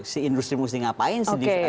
si industri mesti ngapain